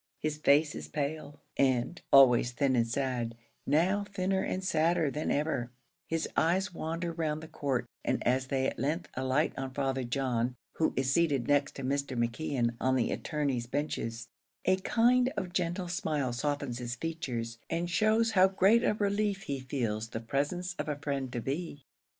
His face is pale, and always thin and sad now thinner and sadder than ever; his eyes wander round the court, and as they at length alight on Father John, who is seated next to Mr. McKeon on the attorneys' benches, a kind of gentle smile softens his features, and shows how great a relief he feels the presence of a friend to be.